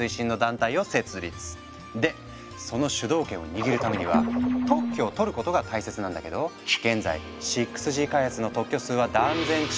でその主導権を握るためには特許を取ることが大切なんだけど現在６Ｇ開発の特許数は断然中国が優勢なの。